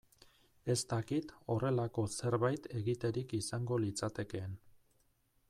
Ez dakit horrelako zerbait egiterik izango litzatekeen.